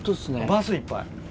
バスいっぱい。